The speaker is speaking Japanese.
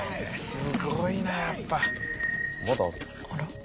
すごいなやっぱ。